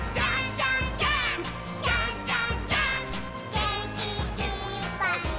「げんきいっぱいもっと」